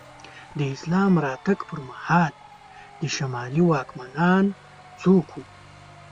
د اسلام راتګ پر مهال د شمالي واکمنان څوک وو؟